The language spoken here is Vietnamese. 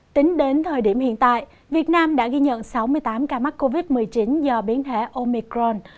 tính đến thời điểm hiện tại việt nam đã ghi nhận sáu mươi tám ca mắc covid một mươi chín do biến thể omicron